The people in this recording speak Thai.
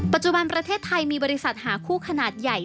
ปัจจุบันประเทศไทยมีบริษัทหาคู่ขนาดใหญ่